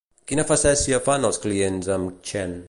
Quina facècia fan els clients amb Chen?